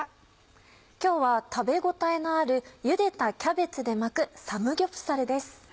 今日は食べ応えのあるゆでたキャベツで巻くサムギョプサルです。